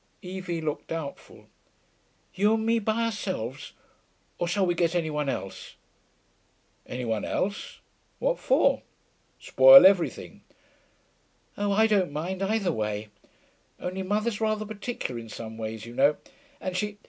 Evie looked doubtful. 'You and me by ourselves? Or shall we get any one else?' 'Any one else? What for? Spoil everything.' 'Oh, I don't mind either way. Only mother's rather particular in some ways, you know, and she